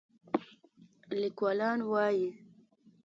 لیکوالان وايي